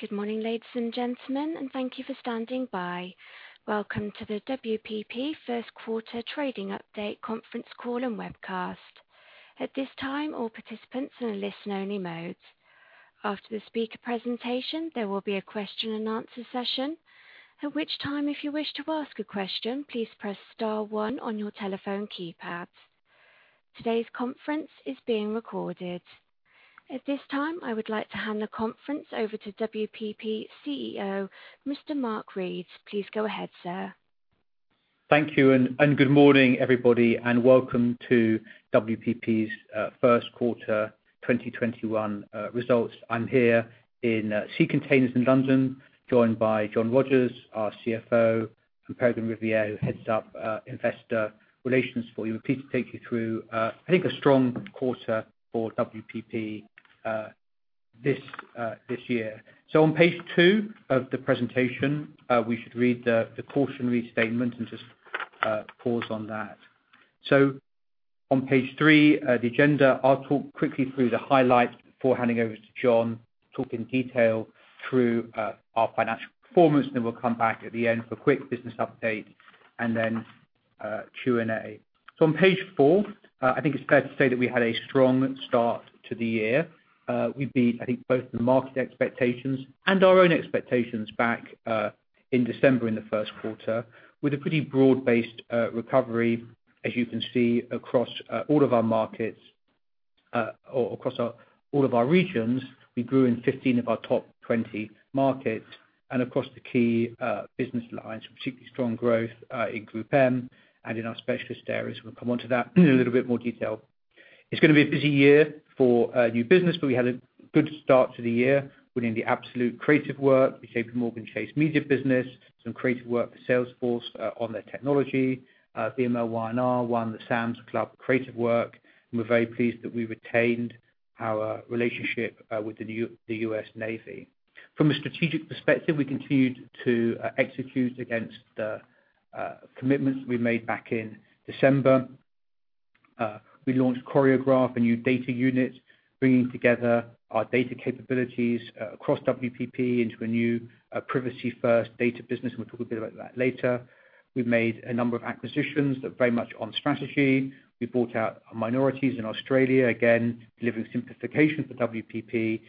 Good morning, ladies and gentlemen, and thank you for standing by. Welcome to the WPP first quarter trading update conference call and webcast. At this time, all participants are in listen-only mode. After the speaker presentation, there will be a question and answer session. At which time, if you wish to ask a question, please press star one on your telephone keypad. Today's conference is being recorded. At this time, I would like to hand the conference over to WPP CEO, Mr. Mark Read. Please go ahead, sir. Thank you, and good morning, everybody, and welcome to WPP's first quarter 2021 results. I'm here in Sea Containers in London, joined by John Rogers, our CFO, and Peregrine Riviere, who heads up investor relations for you. I'm pleased to take you through, I think, a strong quarter for WPP this year. On page two of the presentation, we should read the cautionary statement and just pause on that. On page three, the agenda, I'll talk quickly through the highlights before handing over to John to talk in detail through our financial performance. We'll come back at the end for quick business update and then Q&A. On page four, I think it's fair to say that we had a strong start to the year. We beat, I think, both the market expectations and our own expectations back in December in the first quarter, with a pretty broad-based recovery, as you can see, across all of our markets, or across all of our regions. We grew in 15 of our top 20 markets and across the key business lines, particularly strong growth in GroupM and in our specialist areas. We'll come onto that in a little bit more detail. It's going to be a busy year for new business. We had a good start to the year, winning the Absolut creative work, the JPMorgan Chase media business, some creative work for Salesforce on their technology. VMLY&R won the Sam's Club creative work. We're very pleased that we retained our relationship with the US Navy. From a strategic perspective, we continued to execute against the commitments we made back in December. We launched Choreograph, a new data unit, bringing together our data capabilities across WPP into a new privacy-first data business. We will talk a bit about that later. We have made a number of acquisitions that are very much on strategy. We bought out minorities in Australia, again, delivering simplification for WPP.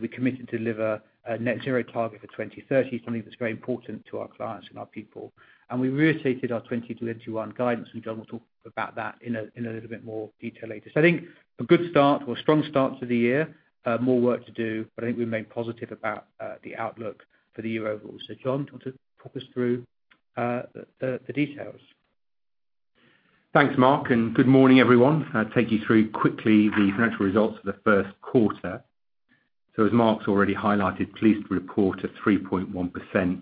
We committed to deliver a net zero target for 2030, something that is very important to our clients and our people. We reiterated our 2021 guidance. John will talk about that in a little bit more detail later. I think a good start or strong start to the year. More work to do. I think we remain positive about the outlook for the year overall. John, do you want to talk us through the details? Thanks, Mark, and good morning, everyone. I'll take you through quickly the financial results for the first quarter. As Mark's already highlighted, pleased to report a 3.1%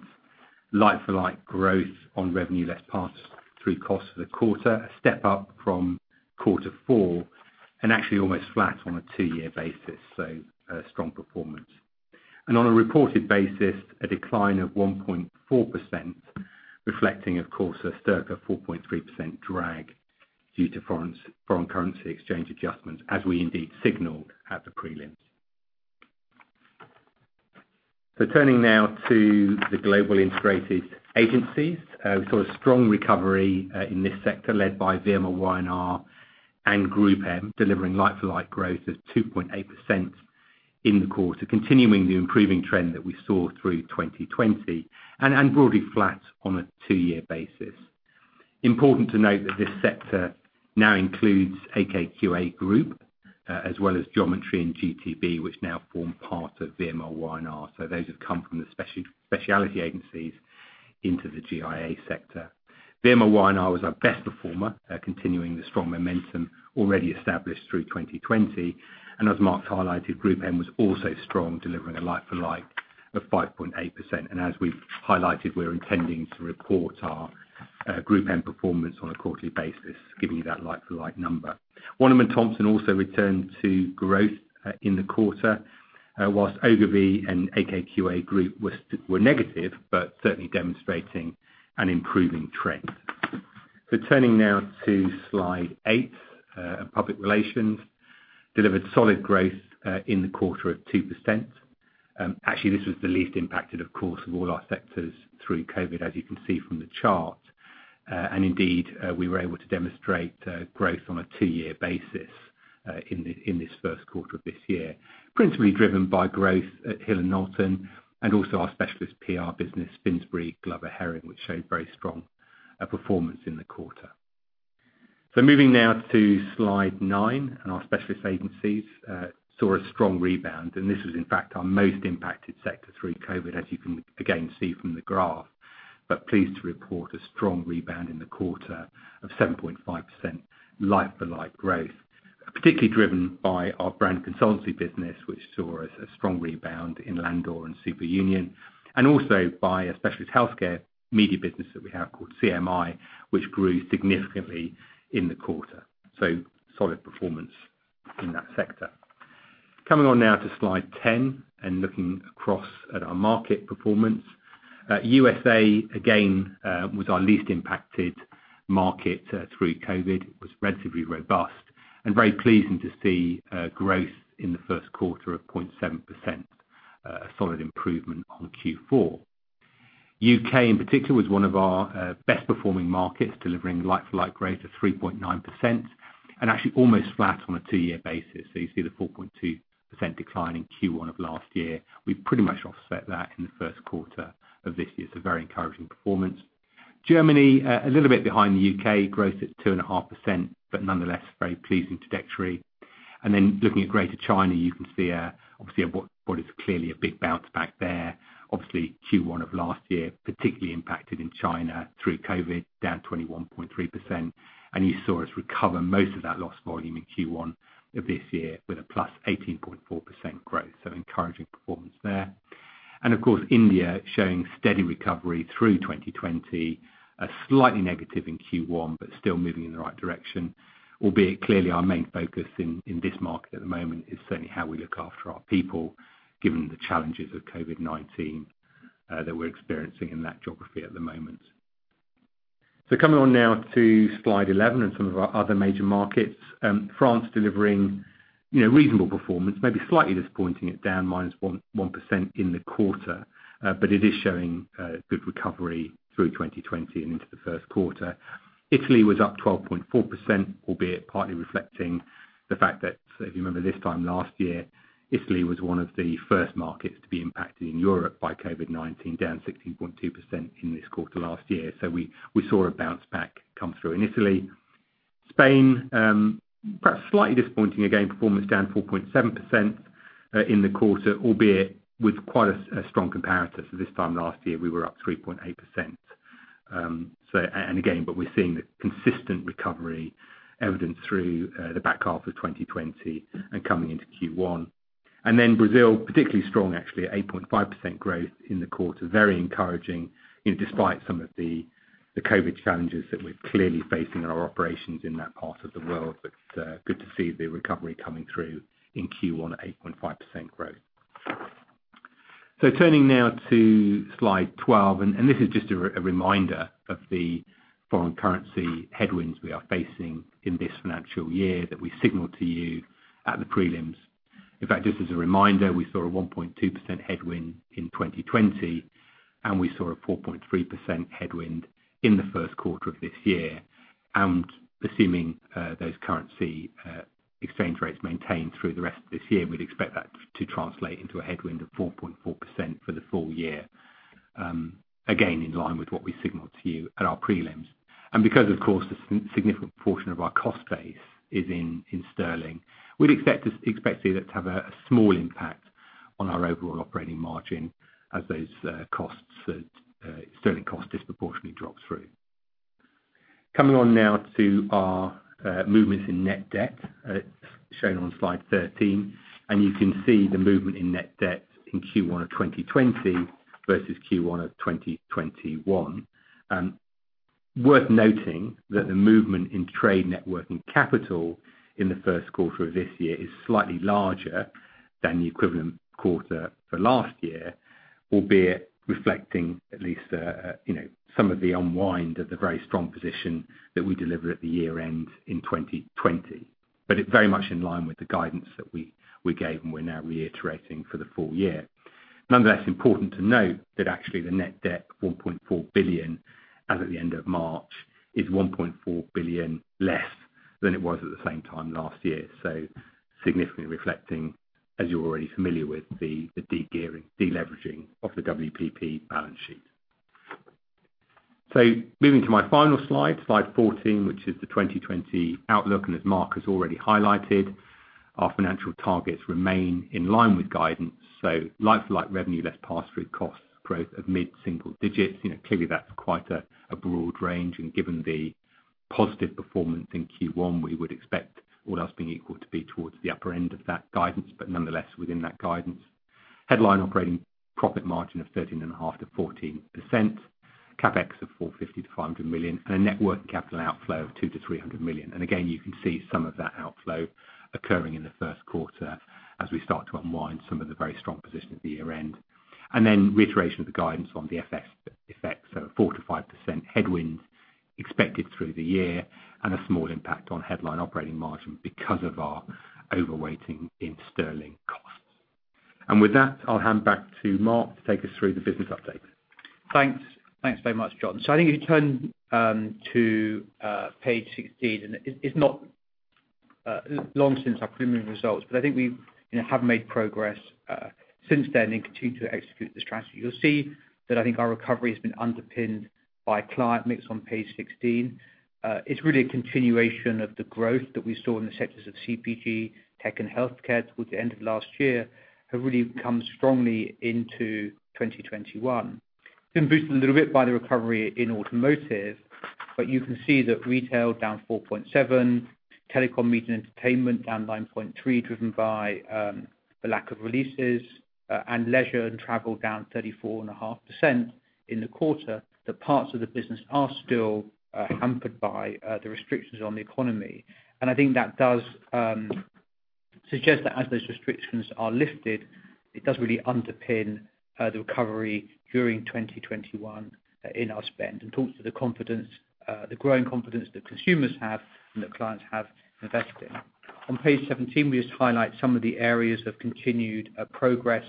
like-for-like growth on net revenue less pass-through costs for the quarter, a step up from quarter four, and actually almost flat on a two-year basis. A strong performance. On a reported basis, a decline of 1.4%, reflecting, of course, a stark 4.3% drag due to foreign currency exchange adjustments, as we indeed signaled at the prelims. Turning now to the global integrated agencies. We saw a strong recovery in this sector led by VMLY&R and GroupM, delivering like-for-like growth of 2.8% in the quarter, continuing the improving trend that we saw through 2020 and broadly flat on a two-year basis. Important to note that this sector now includes AKQA Group, as well as Geometry and GTB, which now form part of VMLY&R. Those have come from the specialty agencies into the GIA sector. VMLY&R was our best performer, continuing the strong momentum already established through 2020. As Mark highlighted, GroupM was also strong, delivering a like-for-like of 5.8%. As we've highlighted, we're intending to report our GroupM performance on a quarterly basis, giving you that like-for-like number. Wunderman Thompson also returned to growth in the quarter, whilst Ogilvy and AKQA Group were negative, but certainly demonstrating an improving trend. Turning now to slide eight, public relations delivered solid growth in the quarter of 2%. Actually, this was the least impacted, of course, of all our sectors through COVID, as you can see from the chart. Indeed, we were able to demonstrate growth on a two-year basis in this first quarter of this year, principally driven by growth at Hill & Knowlton and also our specialist PR business, Finsbury Glover Hering, which showed very strong performance in the quarter. Moving now to slide nine, our specialist agencies saw a strong rebound, and this was in fact our most impacted sector through COVID, as you can again see from the graph. Pleased to report a strong rebound in the quarter of 7.5% like-for-like growth, particularly driven by our brand consultancy business, which saw a strong rebound in Landor and Superunion, and also by a specialist healthcare media business that we have called CMI, which grew significantly in the quarter. Solid performance in that sector. Coming on now to slide 10. Looking across at our market performance, U.S., again, was our least impacted market through COVID. It was relatively robust and very pleasing to see growth in the first quarter of 0.7%, a solid improvement on Q4. U.K. in particular was one of our best performing markets, delivering like-for-like growth of 3.9% and actually almost flat on a two-year basis. You see the 4.2% decline in Q1 of last year. We pretty much offset that in the first quarter of this year, so very encouraging performance. Germany, a little bit behind the U.K., growth at 2.5%, but nonetheless very pleasing trajectory. Looking at Greater China, you can see what is clearly a big bounce back there. Q1 of last year, particularly impacted in China through COVID, down 21.3%, and you saw us recover most of that lost volume in Q1 of this year with a plus 18.4% growth. Encouraging performance there. Of course, India showing steady recovery through 2020, slightly negative in Q1, but still moving in the right direction, albeit clearly our main focus in this market at the moment is certainly how we look after our people, given the challenges of COVID-19 that we're experiencing in that geography at the moment. Coming on now to slide 11 and some of our other major markets. France delivering reasonable performance, maybe slightly disappointing at down minus 1% in the quarter, but it is showing good recovery through 2020 and into the first quarter. Italy was up 12.4%, albeit partly reflecting the fact that, if you remember this time last year, Italy was one of the first markets to be impacted in Europe by COVID-19, down 16.2% in this quarter last year. We saw a bounce back come through in Italy. Spain, perhaps slightly disappointing, again, performance down 4.7% in the quarter, albeit with quite a strong comparator. This time last year, we were up 3.8%. Again, but we're seeing the consistent recovery evidenced through the back half of 2020 and coming into Q1. Brazil, particularly strong actually at 8.5% growth in the quarter. Very encouraging despite some of the COVID challenges that we're clearly facing in our operations in that part of the world, but good to see the recovery coming through in Q1 at 8.5% growth. Turning now to slide 12, this is just a reminder of the foreign currency headwinds we are facing in this financial year that we signaled to you at the prelims. In fact, just as a reminder, we saw a 1.2% headwind in 2020, and we saw a 4.3% headwind in the first quarter of this year. Assuming those currency exchange rates maintained through the rest of this year, we'd expect that to translate into a headwind of 4.4% for the full year. Again, in line with what we signaled to you at our prelims. Because, of course, a significant portion of our cost base is in sterling, we'd expect it to have a small impact on our overall operating margin as those sterling costs disproportionately drop through. Coming on now to our movements in net debt, shown on slide 13. You can see the movement in net debt in Q1 2020 versus Q1 2021. Worth noting that the movement in trade net working capital in the first quarter of this year is slightly larger than the equivalent quarter for last year, albeit reflecting at least some of the unwind of the very strong position that we delivered at the year-end 2020. It's very much in line with the guidance that we gave and we're now reiterating for the full year. Nonetheless, important to note that actually the net debt, 1.4 billion, as at the end of March, is 1.4 billion less than it was at the same time last year. Significantly reflecting, as you're already familiar with, the de-gearing, de-leveraging of the WPP balance sheet. Moving to my final slide 14, which is the 2020 outlook, and as Mark has already highlighted, our financial targets remain in line with guidance. Like-for-like revenue less pass-through costs growth of mid-single digits. Clearly that's quite a broad range, and given the positive performance in Q1, we would expect all else being equal to be towards the upper end of that guidance, but nonetheless within that guidance. Headline operating profit margin of 13.5%-14%, CapEx of 450 million-500 million, and a net working capital outflow of 200 million-300 million. Again, you can see some of that outflow occurring in the first quarter as we start to unwind some of the very strong position at the year-end. Reiteration of the guidance on the FX effects, so 4%-5% headwind expected through the year and a small impact on headline operating margin because of our overweighting in sterling costs. With that, I'll hand back to Mark to take us through the business update. Thanks very much, John. I think if you turn to page 16. It's not long since our preliminary results. I think we have made progress since then and continue to execute the strategy. You'll see that I think our recovery has been underpinned by client mix on page 16. It's really a continuation of the growth that we saw in the sectors of CPG, tech, and healthcare towards the end of last year have really come strongly into 2021. It's been boosted a little bit by the recovery in automotive, but you can see that retail down 4.7%, telecom, media, and entertainment down 9.3% driven by the lack of releases, and leisure and travel down 34.5% in the quarter. The parts of the business are still hampered by the restrictions on the economy. I think that does suggest that as those restrictions are lifted, it does really underpin the recovery during 2021 in our spend, and talks to the growing confidence that consumers have and that clients have invested in. On page 17, we just highlight some of the areas of continued progress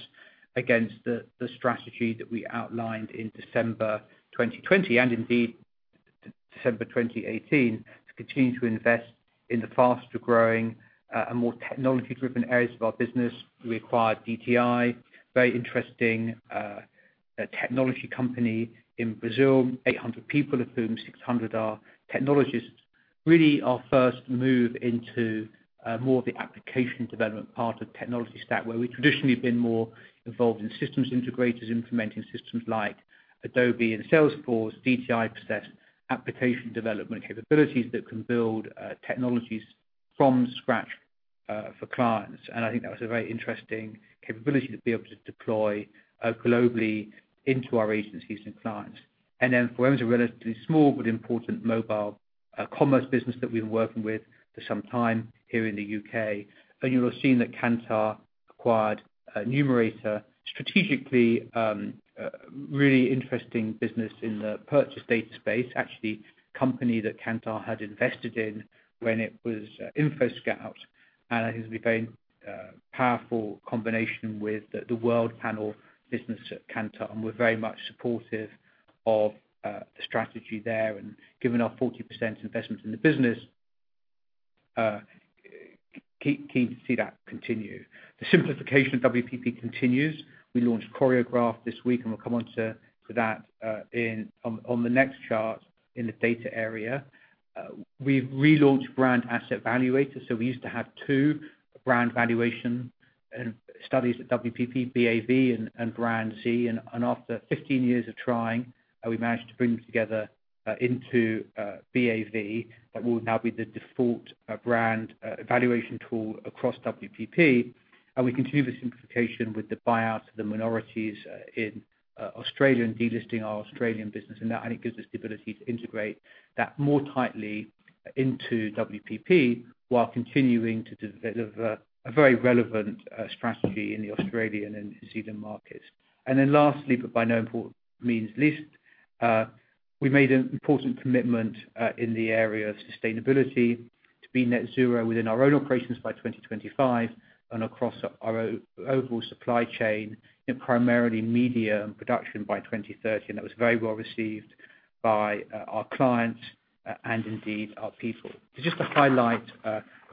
against the strategy that we outlined in December 2020, and indeed December 2018, to continue to invest in the faster-growing and more technology-driven areas of our business. We acquired DTI, very interesting technology company in Brazil, 800 people, of whom 600 are technologists. Really our first move into more of the application development part of technology stack, where we've traditionally been more involved in systems integrators, implementing systems like Adobe and Salesforce. DTI possess application development capabilities that can build technologies from scratch for clients. I think that was a very interesting capability to be able to deploy globally into our agencies and clients. Then for those who are relatively small but important mobile commerce business that we've been working with for some time here in the U.K. You'll have seen that Kantar acquired Numerator, strategically, really interesting business in the purchase data space. Actually, company that Kantar had invested in when it was InfoScout, and I think it will be very powerful combination with the Worldpanel business at Kantar, and we're very much supportive of the strategy there, and given our 40% investment in the business, keen to see that continue. The simplification of WPP continues. We launched Choreograph this week, and we'll come onto that on the next chart in the data area. We've relaunched BrandAsset Valuator. We used to have two brand valuation studies at WPP, BAV and BrandZ, and after 15 years of trying, we managed to bring them together into BAV. That will now be the default brand evaluation tool across WPP. We continue the simplification with the buyout of the minorities in Australia and delisting our Australian business, and that only gives us the ability to integrate that more tightly into WPP while continuing to develop a very relevant strategy in the Australian and New Zealand markets. Lastly, but by no means least, we made an important commitment in the area of sustainability to be net zero within our own operations by 2025 and across our overall supply chain in primarily media and production by 2030. That was very well received by our clients and indeed our people. Just to highlight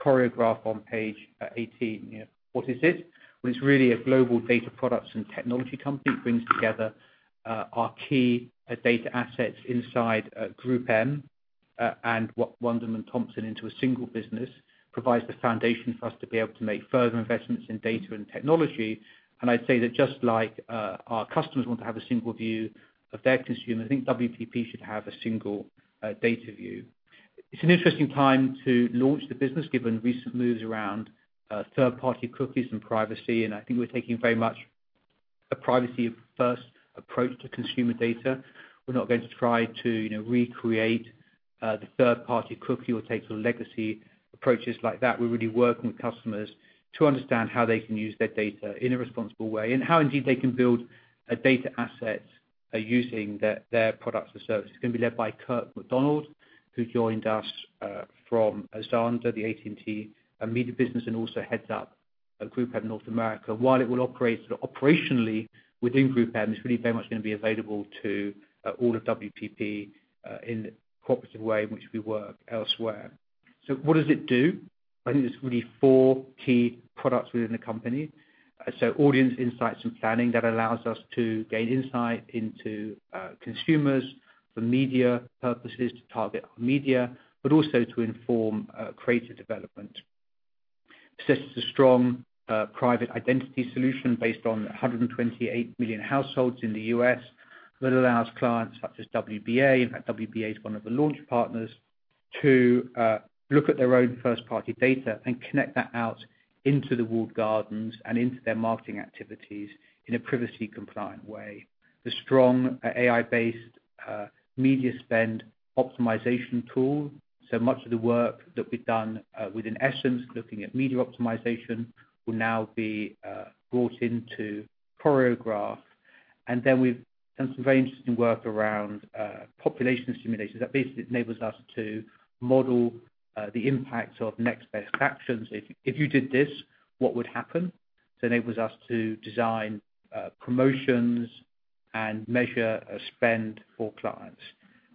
Choreograph on page 18. What is it? Well, it's really a global data products and technology company. It brings together our key data assets inside GroupM and Wunderman Thompson into a single business. It provides the foundation for us to be able to make further investments in data and technology. I'd say that just like our customers want to have a single view of their consumer, I think WPP should have a single data view. It's an interesting time to launch the business given recent moves around third-party cookies and privacy, and I think we're taking very much a privacy first approach to consumer data. We're not going to try to recreate the third-party cookie or take the legacy approaches like that. We're really working with customers to understand how they can use their data in a responsible way and how indeed they can build a data asset using their products or services. It's going to be led by Kirk McDonald, who joined us from Xandr, the AT&T media business, and also heads up GroupM North America. While it will operate operationally within GroupM, it's really very much going to be available to all of WPP in the cooperative way in which we work elsewhere. What does it do? I think there's really four key products within the company. Audience insights and planning, that allows us to gain insight into consumers for media purposes, to target our media, but also to inform creative development. Possesses a strong private identity solution based on 128 million households in the U.S. that allows clients such as WBA, in fact, WBA is one of the launch partners, to look at their own first-party data and connect that out into the walled gardens and into their marketing activities in a privacy compliant way. The strong AI-based media spend optimization tool. Much of the work that we've done within Essence, looking at media optimization, will now be brought into Choreograph. We've done some very interesting work around population simulation that basically enables us to model the impact of next best actions. If you did this, what would happen, it enables us to design promotions and measure spend for clients.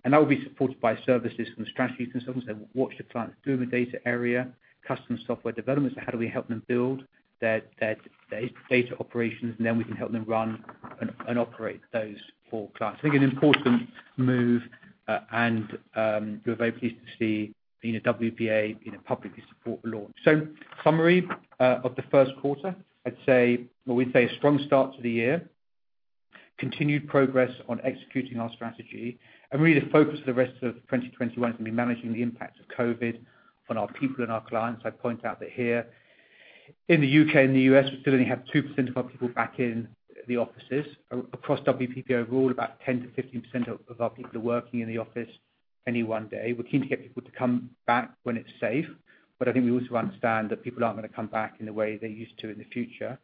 That will be supported by services from strategy consultants that watch the clients through the data area, custom software development, so how do we help them build their data operations, and then we can help them run and operate those for clients. I think an important move, and we're very pleased to see WBA publicly support the launch. Summary of the first quarter, I'd say a strong start to the year. Continued progress on executing our strategy. Really the focus for the rest of 2021 is going to be managing the impact of COVID on our people and our clients. I point out that here in the U.K. and the U.S., we still only have 2% of our people back in the offices. Across WPP overall, about 10%-15% of our people are working in the office any one day. We're keen to get people to come back when it's safe. I think we also understand that people aren't going to come back in the way they used to in the future.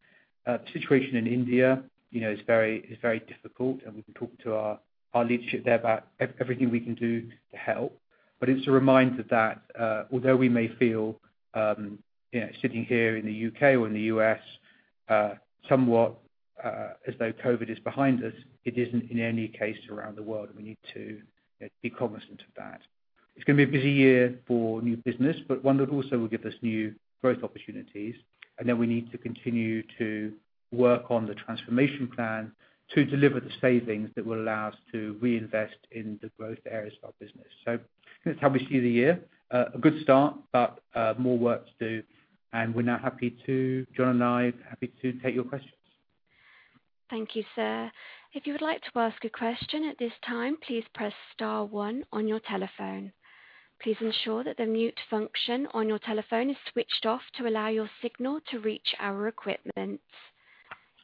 Situation in India is very difficult, and we can talk to our leadership there about everything we can do to help. It's a reminder that although we may feel, sitting here in the U.K. or in the U.S., somewhat as though COVID is behind us, it isn't in any case around the world, and we need to be cognizant of that. It's going to be a busy year for new business, but one that also will give us new growth opportunities. Then we need to continue to work on the transformation plan to deliver the savings that will allow us to reinvest in the growth areas of our business. That's how we see the year. A good start, but more work to do, and we're now happy to, John and I, happy to take your questions. Thank you, sir. If you would like to ask a question at this time, please press star one on your telephone. Please ensure that the mute function on your telephone is switched off to allow your signal to reach our equipment.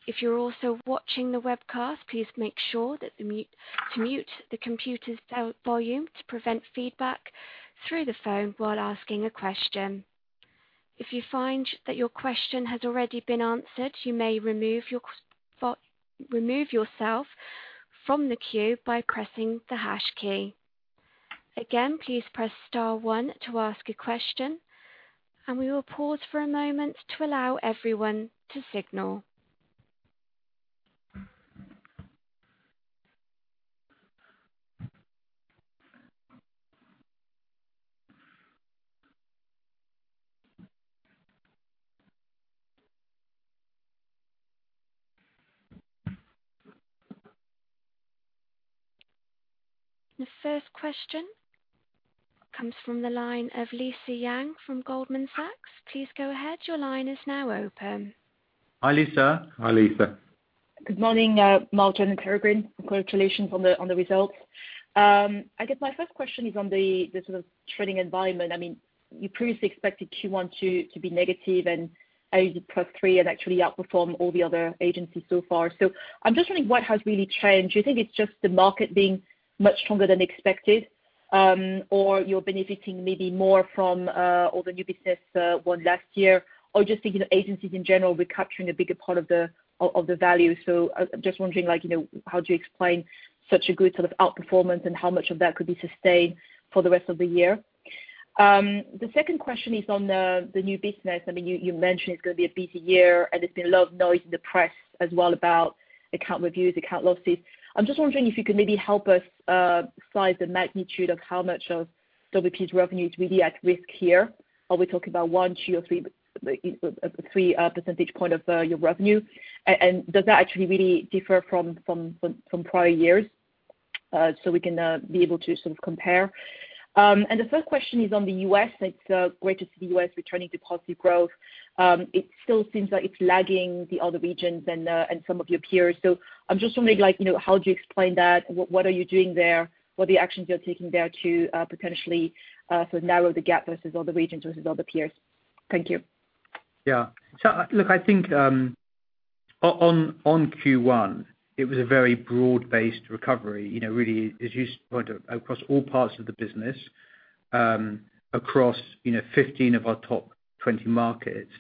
If you're also watching the webcast, please make sure that the mute to mute the computer's volume to prevent feedback through the phone while asking a question. If you find that your question has already been answered, you may remove your remove yourself from the queue by pressing the hash key. Again, please press star one to ask a question, and we will pause for a moment to allow everyone to signal. The first question comes from the line of Lisa Yang from Goldman Sachs. Please go ahead. Your line is now open. Hi, Lisa. Hi, Lisa. Good morning Mark Read, John Rogers, and Peregrine. Congratulations on the results. My first question is on the sort of trading environment. You previously expected Q1 to be negative and now +3%, and actually outperformed all the other agencies so far. I'm just wondering what has really changed. Do you think it is just the market being much stronger than expected, or you are benefiting maybe more from all the new business won last year, or just agencies in general recapturing a bigger part of the value? I'm just wondering how do you explain such a good sort of outperformance and how much of that could be sustained for the rest of the year? The second question is on the new business. You mentioned it is going to be a busy year, and there has been a lot of noise in the press as well about account reviews, account losses. I'm just wondering if you could maybe help us size the magnitude of how much of WPP's revenue is really at risk here. Are we talking about one, two, or three percentage point of your revenue? Does that actually really differ from prior years, so we can be able to sort of compare? The third question is on the U.S. It's great to see the U.S. returning to positive growth. It still seems like it's lagging the other regions and some of your peers. I'm just wondering how do you explain that, what are you doing there, what are the actions you're taking there to potentially sort of narrow the gap versus other regions, versus other peers? Thank you. Look, I think on Q1, it was a very broad-based recovery, really, as you pointed out, across all parts of the business, across 15 of our top 20 markets,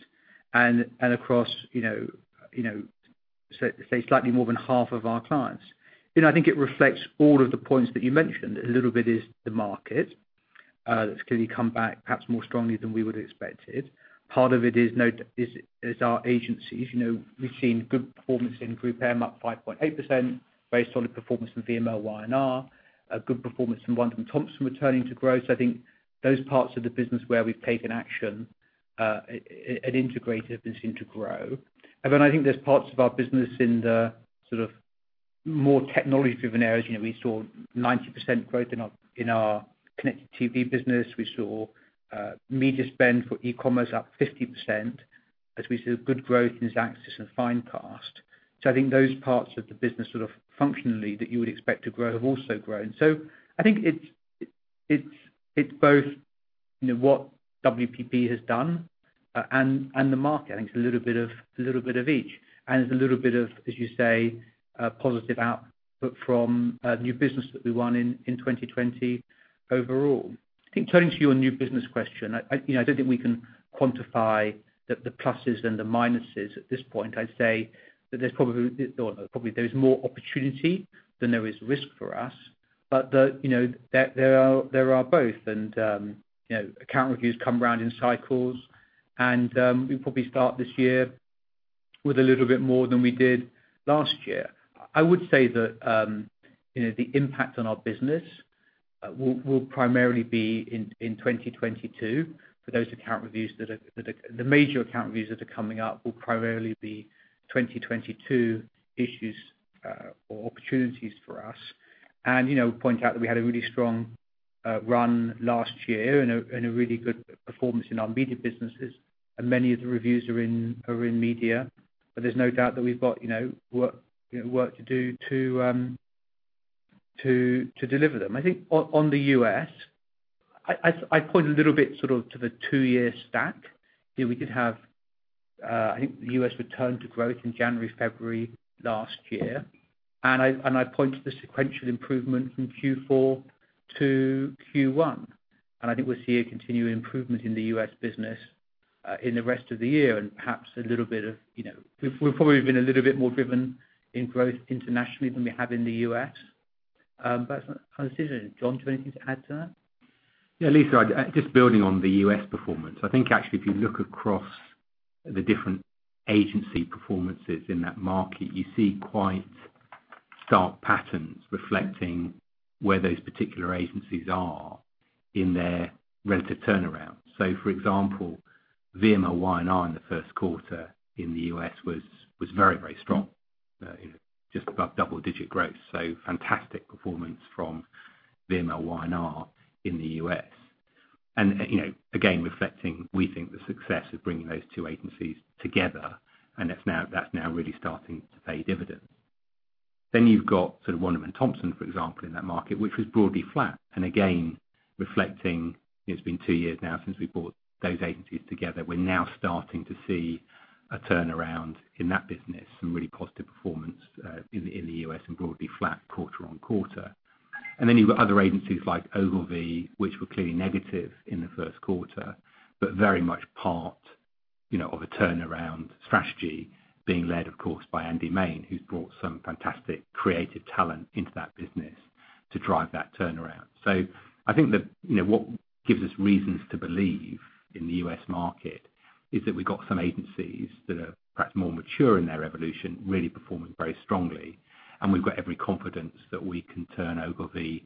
and across, say slightly more than half of our clients. I think it reflects all of the points that you mentioned. A little bit is the market that's clearly come back perhaps more strongly than we would've expected. Part of it is our agencies. We've seen good performance in GroupM, up 5.8%, very solid performance from VMLY&R, a good performance from Wunderman Thompson returning to growth. I think those parts of the business where we've taken action and integrated seem to grow. I think there's parts of our business in the more technology-driven areas. We saw 90% growth in our connected TV business. We saw media spend for e-commerce up 50%, as we saw good growth in Xaxis and Finecast. I think those parts of the business sort of functionally that you would expect to grow have also grown. I think it's both what WPP has done and the market. I think it's a little bit of each, and it's a little bit of, as you say, positive output from new business that we won in 2020 overall. I think turning to your new business question, I don't think we can quantify the pluses and the minuses at this point. I'd say that there is more opportunity than there is risk for us. There are both, and account reviews come round in cycles, and we probably start this year with a little bit more than we did last year. I would say that the impact on our business will primarily be in 2022 for those account reviews. The major account reviews that are coming up will primarily be 2022 issues or opportunities for us. Point out that we had a really strong run last year and a really good performance in our media businesses, and many of the reviews are in media. There's no doubt that we've got work to do to deliver them. I think on the U.S. I point a little bit sort of to the two-year stack that we could have, I think the U.S. returned to growth in January, February last year. I point to the sequential improvement from Q4 to Q1, and I think we'll see a continued improvement in the U.S. business in the rest of the year and perhaps. We've probably been a little bit more driven in growth internationally than we have in the U.S. John, do you have anything to add to that? Yeah, Lisa, just building on the U.S. performance. I think actually if you look across the different agency performances in that market, you see quite stark patterns reflecting where those particular agencies are in their relative turnaround. For example, VMLY&R in the first quarter in the U.S. was very strong. Just above double digit growth, fantastic performance from VMLY&R in the U.S. Again, reflecting, we think the success of bringing those two agencies together, and that's now really starting to pay dividends. You've got Wunderman Thompson, for example, in that market, which was broadly flat. Again reflecting, it's been two years now since we brought those agencies together. We're now starting to see a turnaround in that business and really positive performance in the U.S. and broadly flat quarter on quarter. You've got other agencies like Ogilvy, which were clearly negative in the first quarter, but very much part of a turnaround strategy being led, of course, by Andy Main, who's brought some fantastic creative talent into that business to drive that turnaround. I think that what gives us reasons to believe in the U.S. market is that we've got some agencies that are perhaps more mature in their evolution, really performing very strongly. We've got every confidence that we can turn Ogilvy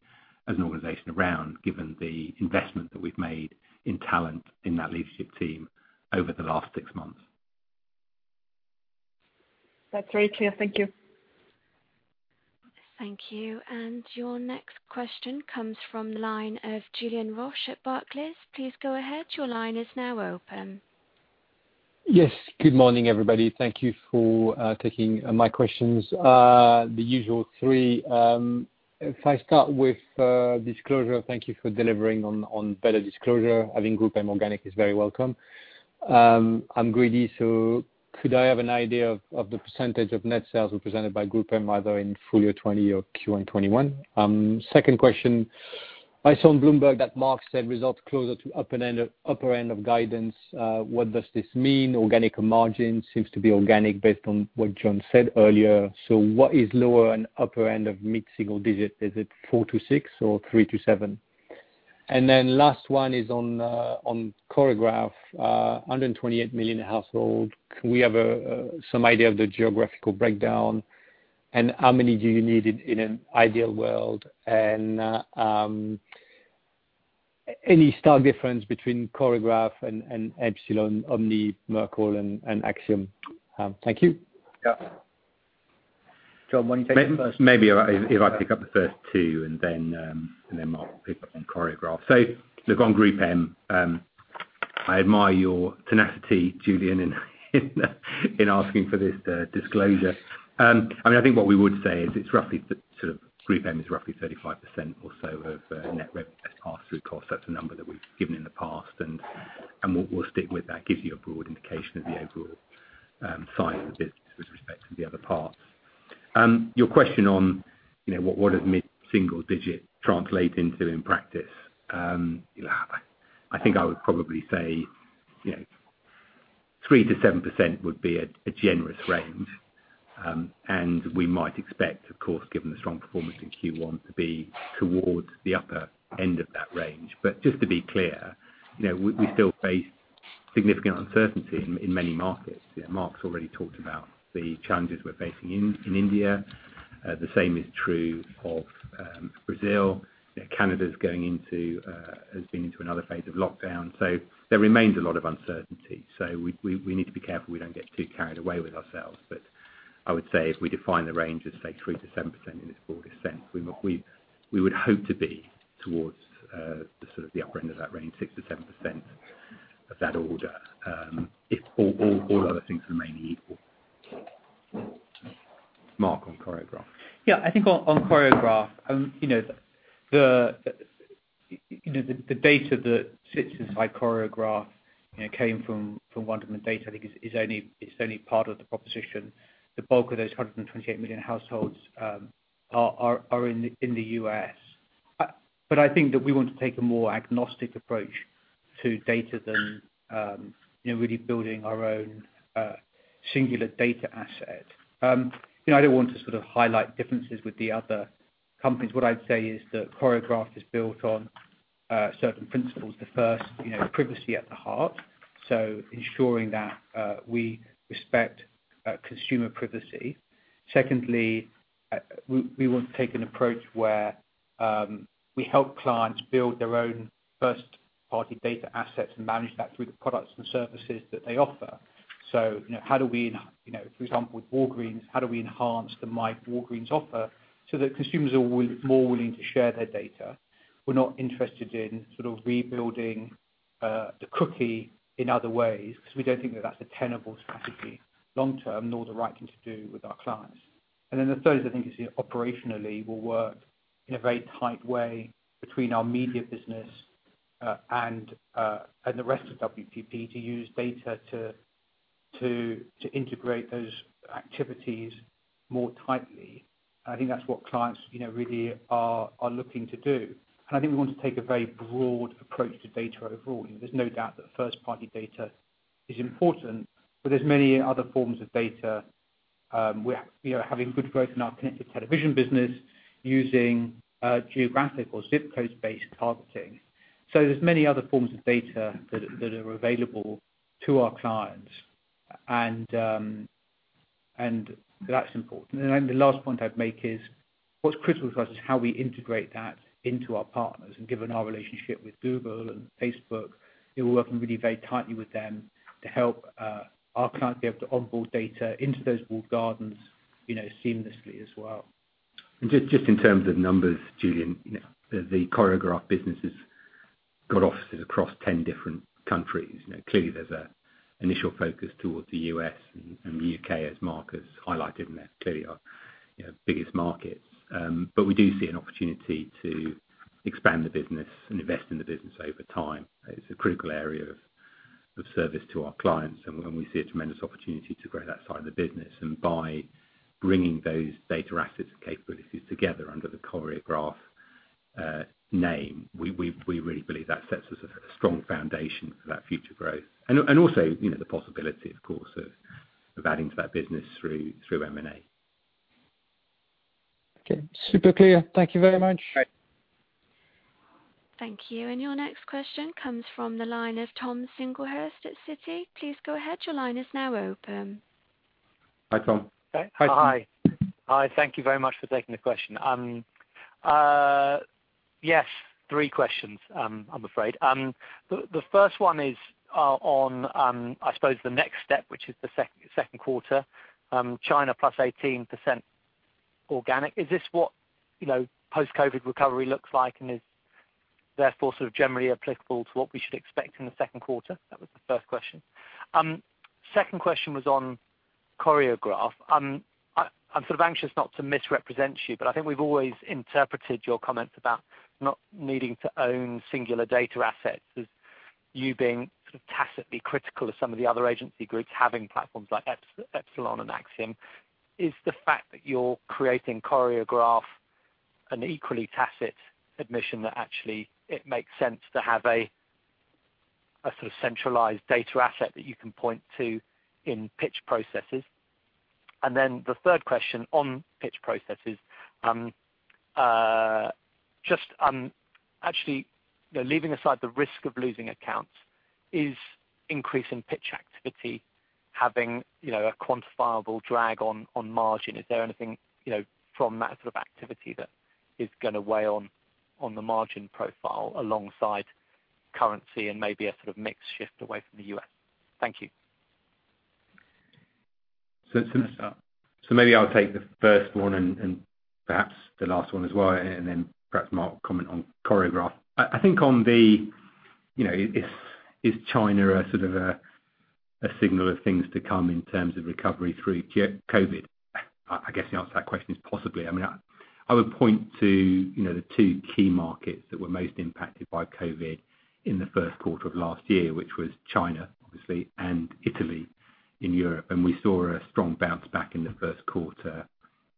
as an organization around, given the investment that we've made in talent in that leadership team over the last six months. That's very clear. Thank you. Thank you. Your next question comes from the line of Julien Roch at Barclays. Please go ahead. Yes. Good morning, everybody. Thank you for taking my questions. The usual three. If I start with disclosure, thank you for delivering on better disclosure. Having GroupM organic is very welcome. I'm greedy, could I have an idea of the percentage of net sales represented by GroupM, either in full-year 2020 or Q1 2021? Second question, I saw on Bloomberg that Mark said results closer to upper end of guidance. What does this mean? Organic margin seems to be organic based on what John said earlier. What is lower and upper end of mid-single digit? Is it 4%-6% or 3%-7%? Last one is on Choreograph, 128 million household. Can we have some idea of the geographical breakdown, and how many do you need in an ideal world? Any stark difference between Choreograph and Epsilon, Omni, Merkle, and Acxiom? Thank you. John, why don't you take the first? Maybe if I pick up the first two, then Mark will pick up on Choreograph. Look, on GroupM, I admire your tenacity, Julien, in asking for this disclosure. I think what we would say is GroupM is roughly 35% or so of net revenue less pass-through costs. That's a number that we've given in the past, we'll stick with that. Gives you a broad indication of the overall size of the business with respect to the other parts. Your question on what does mid-single digit translate into in practice? I think I would probably say 3%-7% would be a generous range. We might expect, of course, given the strong performance in Q1, to be towards the upper end of that range. Just to be clear, we still face significant uncertainty in many markets. Mark's already talked about the challenges we're facing in India. The same is true of Brazil. Canada has been into another phase of lockdown. There remains a lot of uncertainty. We need to be careful we don't get too carried away with ourselves. I would say if we define the range as, say, 3%-7% in its broadest sense, we would hope to be towards the sort of the upper end of that range, 6%-7% of that order, if all other things remaining equal. Mark, on Choreograph. Yeah, I think on Choreograph, the data that sits inside Choreograph came from Wunderman data, I think it's only part of the proposition. The bulk of those 128 million households are in the U.S. I think that we want to take a more agnostic approach to data than really building our own singular data asset. I don't want to sort of highlight differences with the other companies. What I'd say is that Choreograph is built on certain principles. The first, privacy at the heart. Ensuring that we respect consumer privacy. Secondly, we want to take an approach where we help clients build their own first-party data assets and manage that through the products and services that they offer. For example, with Walgreens, how do we enhance the Walgreens offer so that consumers are more willing to share their data? We're not interested in sort of rebuilding- The cookie in other ways, because we don't think that that's a tenable strategy long term, nor the right thing to do with our clients. The third is, I think you see operationally we'll work in a very tight way between our media business and the rest of WPP to use data to integrate those activities more tightly. I think that's what clients really are looking to do. I think we want to take a very broad approach to data overall. There's no doubt that first-party data is important, but there's many other forms of data. We are having good growth in our connected television business using geographic or ZIP code-based targeting. There's many other forms of data that are available to our clients, and that's important. The last point I'd make is what's critical for us is how we integrate that into our partners. Given our relationship with Google and Facebook, we're working really very tightly with them to help our clients be able to onboard data into those walled gardens seamlessly as well. Just in terms of numbers, Julien, the Choreograph business has got offices across 10 different countries. Clearly there's an initial focus towards the U.S. and the U.K. as markets highlighted, and they're clearly our biggest markets. We do see an opportunity to expand the business and invest in the business over time. It's a critical area of service to our clients, and we see a tremendous opportunity to grow that side of the business. By bringing those data assets and capabilities together under the Choreograph name, we really believe that sets us a strong foundation for that future growth. Also, the possibility, of course, of adding to that business through M&A. Okay. Super clear. Thank you very much. Great. Thank you. Your next question comes from the line of Tom Singlehurst at Citi. Please go ahead. Hi, Tom. Hi. Thank you very much for taking the question. Yes, three questions, I'm afraid. The first one is on, I suppose the next step, which is the second quarter. China +18% organic. Is this what post-COVID recovery looks like and is therefore sort of generally applicable to what we should expect in the second quarter? That was the first question. Second question was on Choreograph. I'm sort of anxious not to misrepresent you, but I think we've always interpreted your comments about not needing to own singular data assets as you being sort of tacitly critical of some of the other agency groups having platforms like Epsilon and Acxiom. Is the fact that you're creating Choreograph an equally tacit admission that actually it makes sense to have a sort of centralized data asset that you can point to in pitch processes? The third question on pitch processes. Just actually leaving aside the risk of losing accounts, is increasing pitch activity having a quantifiable drag on margin? Is there anything from that sort of activity that is going to weigh on the margin profile alongside currency and maybe a sort of mix shift away from the U.S.? Thank you. Maybe I'll take the first one and perhaps the last one as well, and then perhaps Mark will comment on Choreograph. I think on the, is China a sort of a signal of things to come in terms of recovery through COVID-19? I guess the answer to that question is possibly. I would point to the two key markets that were most impacted by COVID-19 in the first quarter of last year, which was China, obviously, and Italy in Europe. We saw a strong bounce back in the first quarter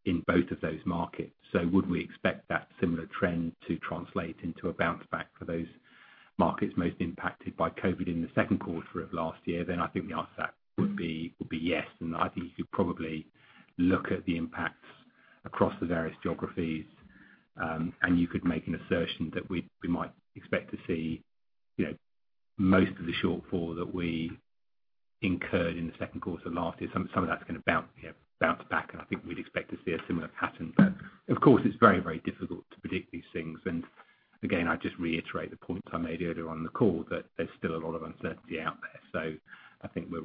in both of those markets. Would we expect that similar trend to translate into a bounce back for those markets most impacted by COVID-19 in the second quarter of last year? I think the answer to that would be yes. I think you could probably look at the impacts across the various geographies, and you could make an assertion that we might expect to see most of the shortfall that we incurred in the second quarter of last year, some of that's going to bounce back, and I think we'd expect to see a similar pattern. Of course, it's very difficult to predict these things. Again, I'd just reiterate the points I made earlier on the call that there's still a lot of uncertainty out there. I think we're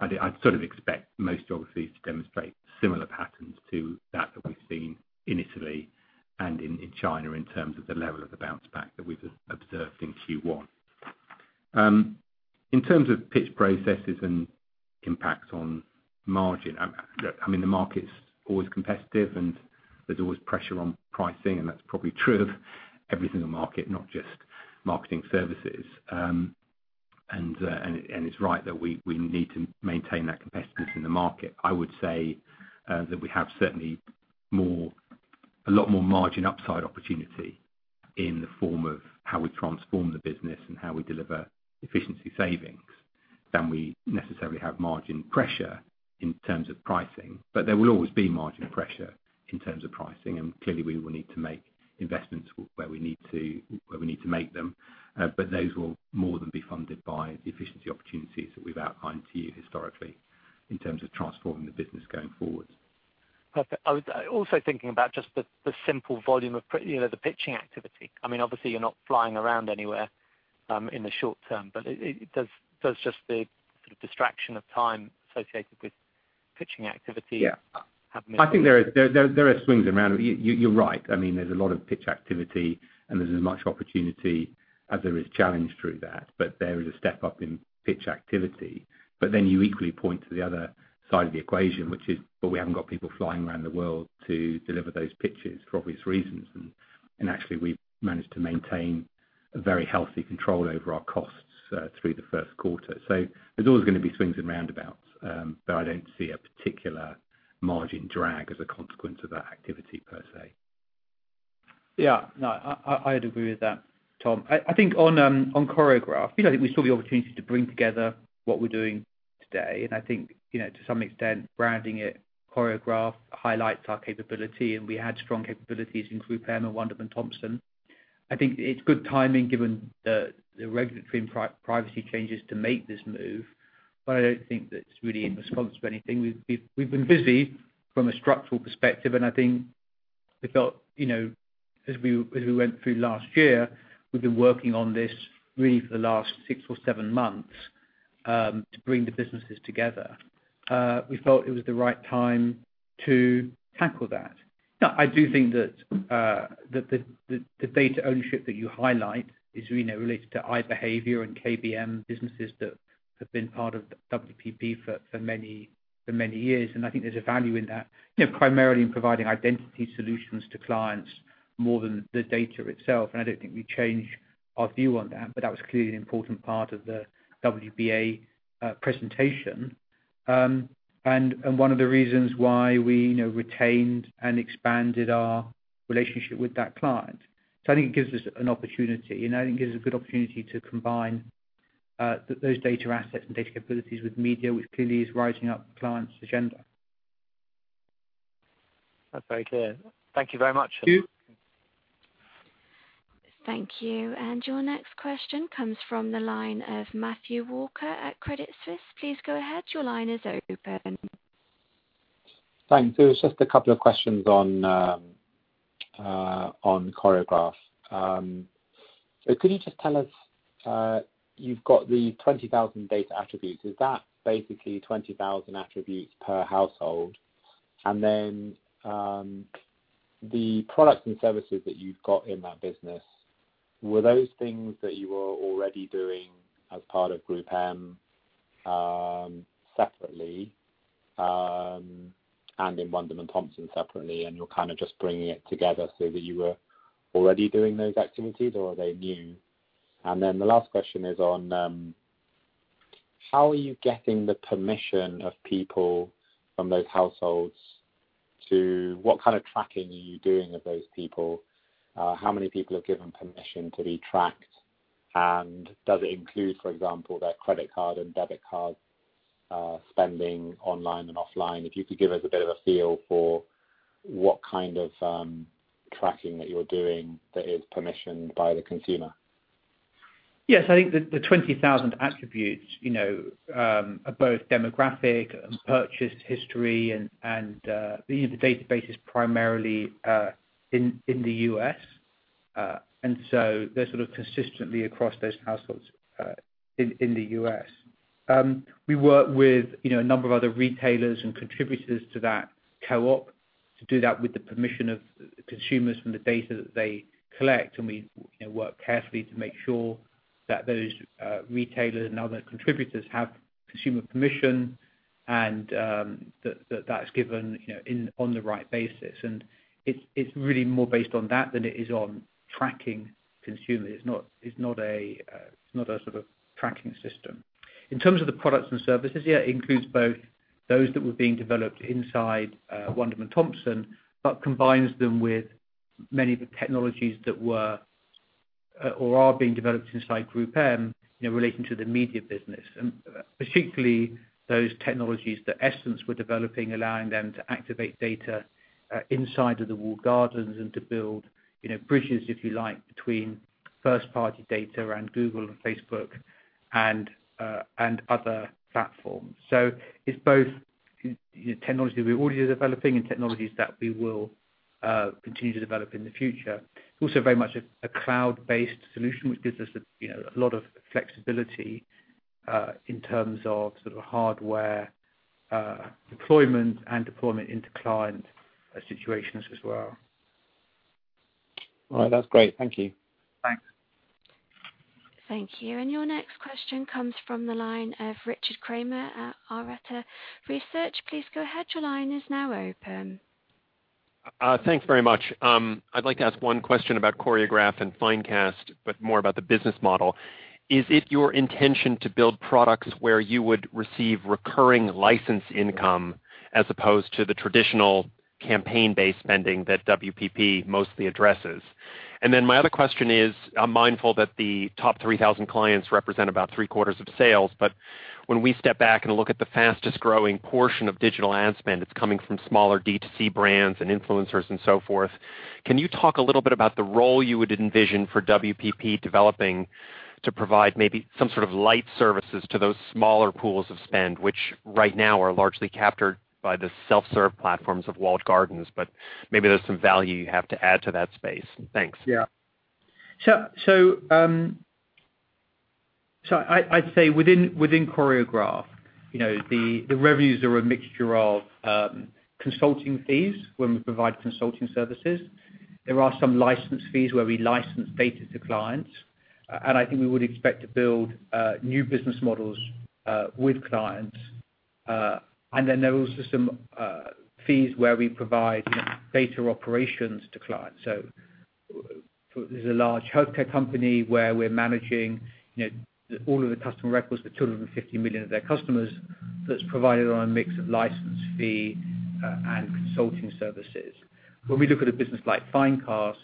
right to take a cautious tone, but I'd sort of expect most geographies to demonstrate similar patterns to that that we've seen in Italy and in China in terms of the level of the bounce back that we've observed in Q1. In terms of pitch processes and impacts on margin, the market's always competitive, and there's always pressure on pricing, and that's probably true of every single market, not just marketing services. It's right that we need to maintain that competitiveness in the market. I would say that we have certainly a lot more margin upside opportunity in the form of how we transform the business and how we deliver efficiency savings than we necessarily have margin pressure in terms of pricing. There will always be margin pressure in terms of pricing, and clearly we will need to make investments where we need to make them. Those will more than be funded by the efficiency opportunities that we've outlined to you historically in terms of transforming the business going forwards. Perfect. I was also thinking about just the simple volume of the pitching activity. Obviously you're not flying around anywhere in the short term, but does just the sort of distraction of time associated with? Pitching activity Yeah Have missed. I think there are swings around. You're right. There's a lot of pitch activity, and there's as much opportunity as there is challenge through that, but there is a step-up in pitch activity. You equally point to the other side of the equation, which is, but we haven't got people flying around the world to deliver those pitches for obvious reasons. Actually, we've managed to maintain a very healthy control over our costs through the first quarter. There's always going to be swings and roundabouts, but I don't see a particular margin drag as a consequence of that activity per se. Yeah. No, I'd agree with that, Tom. I think on Choreograph, I think we saw the opportunity to bring together what we're doing today, and I think, to some extent, branding it Choreograph highlights our capability, and we had strong capabilities in GroupM and Wunderman Thompson. I think it's good timing given the regulatory and privacy changes to make this move, but I don't think that it's really in response to anything. We've been busy from a structural perspective, and I think we felt, as we went through last year, we've been working on this really for the last six or seven months to bring the businesses together. We felt it was the right time to tackle that. I do think that the data ownership that you highlight is really related to iBehavior and KBM businesses that have been part of WPP for many years. I think there's a value in that, primarily in providing identity solutions to clients more than the data itself. I don't think we change our view on that, but that was clearly an important part of the WBA presentation. One of the reasons why we retained and expanded our relationship with that client. I think it gives us an opportunity, and I think it gives us a good opportunity to combine those data assets and data capabilities with media, which clearly is rising up the clients' agenda. That's very clear. Thank you very much. Thank you. Thank you. Your next question comes from the line of Matthew Walker at Credit Suisse. Please go ahead. Your line is open. Thanks. It was just a couple of questions on Choreograph. Could you just tell us, you've got the 20,000 data attributes, is that basically 20,000 attributes per household? The products and services that you've got in that business, were those things that you were already doing as part of GroupM separately, and in Wunderman Thompson separately, and you're kind of just bringing it together so that you were already doing those activities, or are they new? The last question is on, how are you getting the permission of people from those households? What kind of tracking are you doing of those people? How many people have given permission to be tracked? Does it include, for example, their credit card and debit card spending online and offline? If you could give us a bit of a feel for what kind of tracking that you're doing that is permissioned by the consumer. Yes, I think the 20,000 attributes are both demographic and purchase history. The database is primarily in the U.S., they're sort of consistently across those households, in the U.S. We work with a number of other retailers and contributors to that co-op to do that with the permission of consumers from the data that they collect. We work carefully to make sure that those retailers and other contributors have consumer permission and that that's given on the right basis. It's really more based on that than it is on tracking consumers. It's not a sort of tracking system. In terms of the products and services, yeah, it includes both those that were being developed inside Wunderman Thompson, combines them with many of the technologies that were or are being developed inside GroupM relating to the media business, and particularly those technologies that Essence were developing, allowing them to activate data inside of the walled gardens and to build bridges, if you like, between first party data and Google and Facebook and other platforms. It's both technologies we're already developing and technologies that we will continue to develop in the future. It's also very much a cloud-based solution, which gives us a lot of flexibility in terms of hardware deployment and deployment into client situations as well. All right. That's great. Thank you. Thanks. Thank you. Your next question comes from the line of Richard Kramer at Arete Research. Please go ahead. Thanks very much. I'd like to ask one question about Choreograph and Finecast, but more about the business model. Is it your intention to build products where you would receive recurring license income as opposed to the traditional campaign-based spending that WPP mostly addresses? My other question is, I'm mindful that the top 3,000 clients represent about three-quarters of sales, but when we step back and look at the fastest growing portion of digital ad spend, it's coming from smaller D2C brands and influencers and so forth. Can you talk a little bit about the role you would envision for WPP developing to provide maybe some sort of light services to those smaller pools of spend, which right now are largely captured by the self-serve platforms of walled gardens, but maybe there's some value you have to add to that space. Thanks. I'd say within Choreograph, the revenues are a mixture of consulting fees when we provide consulting services. There are some license fees where we license data to clients, and I think we would expect to build new business models with clients. There are also some fees where we provide data operations to clients. There's a large healthcare company where we're managing all of the customer records for 250 million of their customers that's provided on a mix of license fee and consulting services. When we look at a business like Finecast,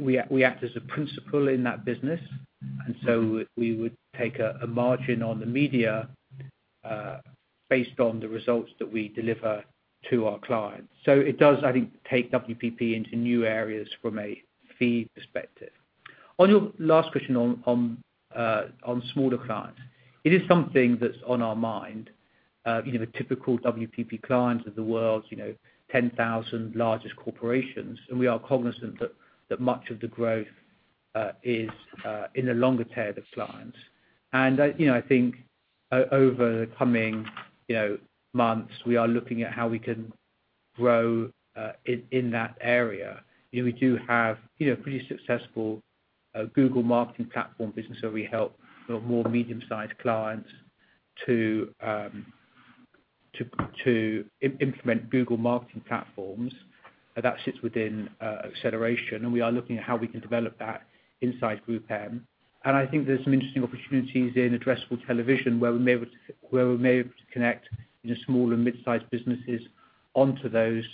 we act as a principal in that business, we would take a margin on the media based on the results that we deliver to our clients. It does, I think, take WPP into new areas from a fee perspective. On your last question on smaller clients, it is something that's on our mind. The typical WPP clients are the world's 10,000 largest corporations, we are cognizant that much of the growth is in the longer tail of clients. I think over the coming months, we are looking at how we can grow in that area. We do have a pretty successful Google Marketing Platform business where we help more medium-sized clients to implement Google Marketing Platform platforms. That sits within Acceleration, we are looking at how we can develop that inside GroupM. I think there's some interesting opportunities in addressable television where we may be able to connect small and mid-sized businesses onto those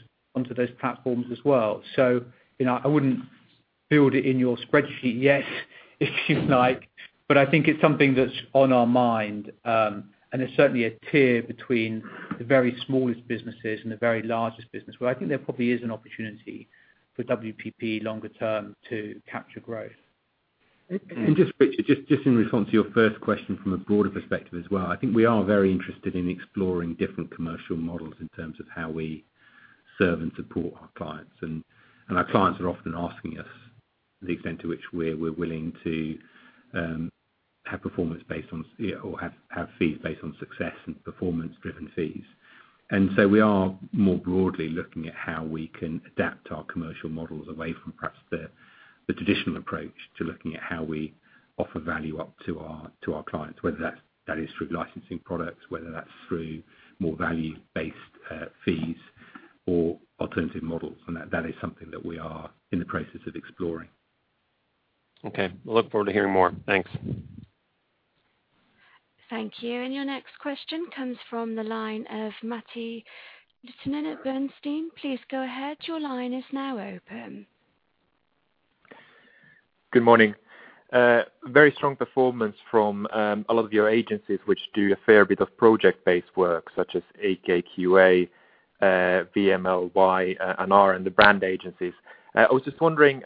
platforms as well. I wouldn't build it in your spreadsheet yet, if you'd like, I think it's something that's on our mind. There's certainly a tier between the very smallest businesses and the very largest business, where I think there probably is an opportunity for WPP longer term to capture growth. Richard, just in response to your first question from a broader perspective as well, I think we are very interested in exploring different commercial models in terms of how we serve and support our clients. Our clients are often asking us the extent to which we're willing to have performance based on or have fees based on success and performance-driven fees. We are more broadly looking at how we can adapt our commercial models away from perhaps the traditional approach to looking at how we offer value up to our clients, whether that is through licensing products, whether that's through more value-based fees or alternative models. That is something that we are in the process of exploring. Okay. Look forward to hearing more. Thanks. Thank you. Your next question comes from the line of Matti Littunen at Bernstein. Please go ahead. Good morning. Very strong performance from a lot of your agencies, which do a fair bit of project-based work, such as AKQA, VMLY&R, and the brand agencies. I was just wondering,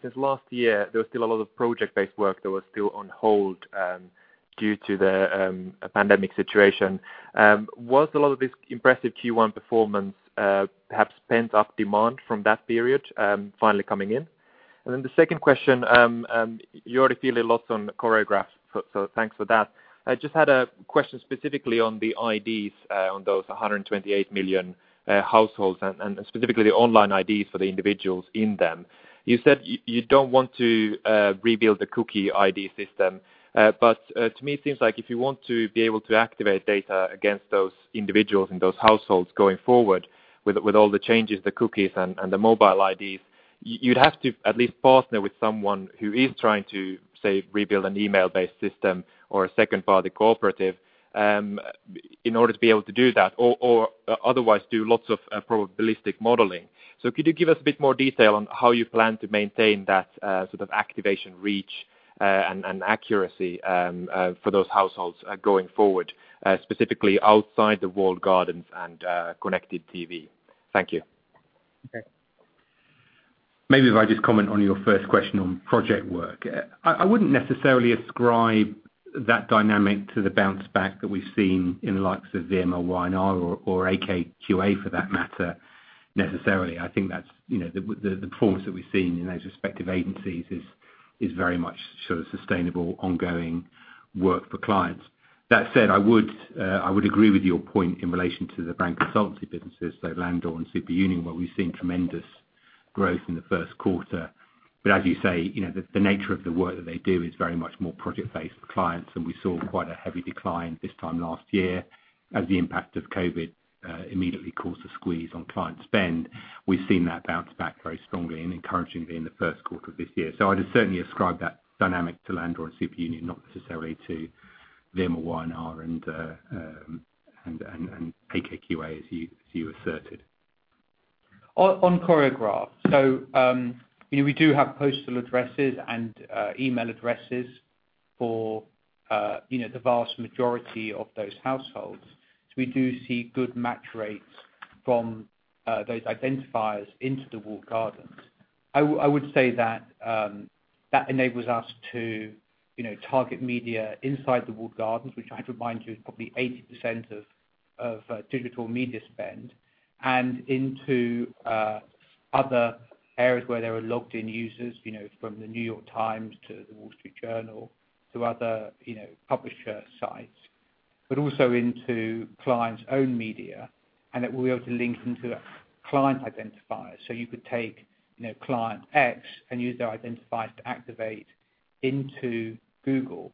since last year, there was still a lot of project-based work that was still on hold due to the pandemic situation. Was a lot of this impressive Q1 performance perhaps pent-up demand from that period finally coming in? The second question, you already filled in lots on Choreograph, so thanks for that. I just had a question specifically on the IDs on those 128 million households, and specifically the online IDs for the individuals in them. You said you don't want to rebuild the cookie ID system. To me, it seems like if you want to be able to activate data against those individuals in those households going forward with all the changes, the cookies, and the mobile IDs, you'd have to at least partner with someone who is trying to, say, rebuild an email-based system or a second-party cooperative in order to be able to do that, or otherwise do lots of probabilistic modeling. Could you give us a bit more detail on how you plan to maintain that sort of activation reach and accuracy for those households going forward specifically outside the walled gardens and connected TV? Thank you. Maybe if I just comment on your first question on project work. I wouldn't necessarily ascribe that dynamic to the bounce back that we've seen in the likes of VMLY&R or AKQA for that matter, necessarily. I think that the performance that we've seen in those respective agencies is very much sort of sustainable, ongoing work for clients. That said, I would agree with your point in relation to the brand consultancy businesses, so Landor and Superunion, where we've seen tremendous growth in the first quarter. As you say, the nature of the work that they do is very much more project-based for clients, and we saw quite a heavy decline this time last year as the impact of COVID-19 immediately caused a squeeze on client spend. We've seen that bounce back very strongly and encouragingly in the first quarter of this year. I'd certainly ascribe that dynamic to Landor and Superunion, not necessarily to VMLY&R and AKQA as you asserted. On Choreograph. We do have postal addresses and email addresses for the vast majority of those households. We do see good match rates from those identifiers into the walled gardens. I would say that enables us to target media inside the walled gardens, which I have to remind you, is probably 80% of digital media spend and into other areas where there are logged in users, from the New York Times to The Wall Street Journal to other publisher sites, but also into clients' own media, and that we'll be able to link into a client identifier. You could take Client X and use their identifiers to activate into Google.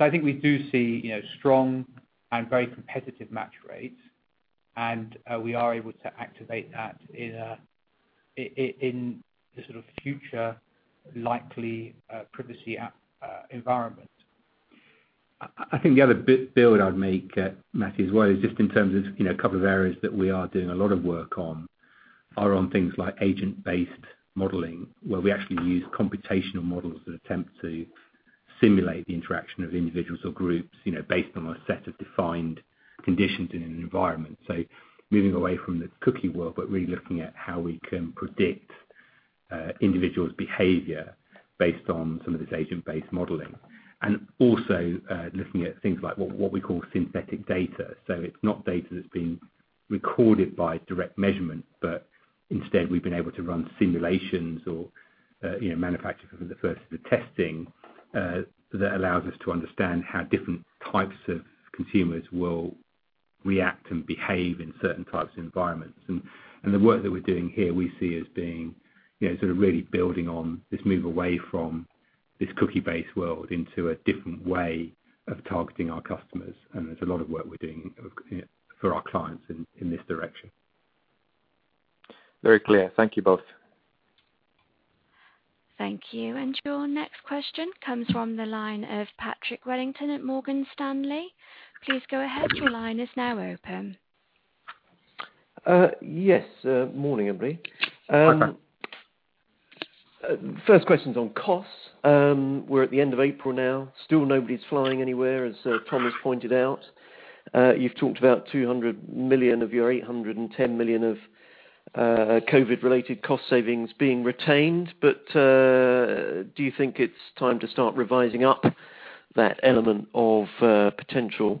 I think we do see strong and very competitive match rates, and we are able to activate that in the sort of future likely privacy environment. I think the other build I would make, Matthew, as well, is just in terms of a couple of areas that we are doing a lot of work on are on things like agent-based modeling, where we actually use computational models that attempt to simulate the interaction of individuals or groups based on a set of defined conditions in an environment. Moving away from the cookie world, but really looking at how we can predict an individual's behavior based on some of this agent-based modeling, and also looking at things like what we call synthetic data. It's not data that's been recorded by direct measurement, but instead we've been able to run simulations or manufacture some of the testing that allows us to understand how different types of consumers will react and behave in certain types of environments. The work that we're doing here we see as being really building on this move away from this cookie-based world into a different way of targeting our customers, and there's a lot of work we're doing for our clients in this direction. Very clear. Thank you both. Thank you. Your next question comes from the line of Patrick Wellington at Morgan Stanley. Please go ahead, your line is now open. Yes. Morning, everybody. First question's on costs. We're at the end of April now. Still nobody's flying anywhere, as Tom has pointed out. You've talked about 200 million of your 810 million of COVID-19 related cost savings being retained. Do you think it's time to start revising up that element of potential